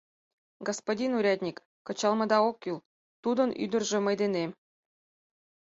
— Господин урядник, кычалмыда ок кӱл, тудын ӱдыржӧ мый денем.